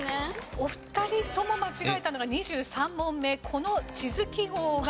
お二人とも間違えたのが２３問目「この地図記号が表すのは？」。